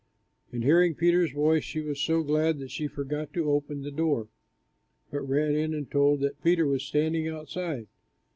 And hearing Peter's voice, she was so glad that she forgot to open the door, but ran in, and told that Peter was standing outside.